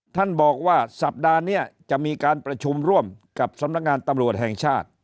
ท่านบอกว่าสัปดาห์นี้จะมีการประชุมร่วมกับสำนักงานตำรวจแห่งชาติ